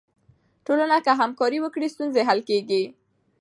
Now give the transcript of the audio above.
ټولنه که همکاري وکړي، ستونزې حل کیږي.